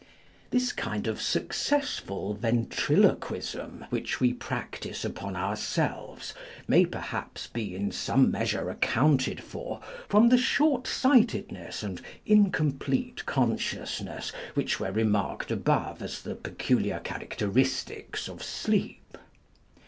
This kind of successful ventriloquism which we practise upon ourselves may perhaps be in some measure accounted for from the shortsightedness and incomplete consciousness which were remarked above as the peculiar characteristics of 6leep.